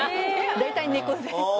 大体猫背。